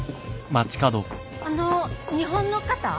あのう日本の方？